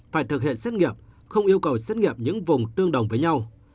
phải thực hiện xét nghiệm không yêu cầu xét nghiệm những vùng tương đồng với nhau